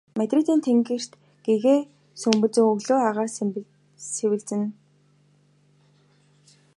Мадридын тэнгэрт гэгээ сүүмэлзэж өглөөний агаар сэвэлзэнэ.